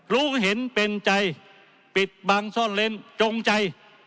รู้เห็นเป็นใจปิดบังซ่อนเล้นจงใจ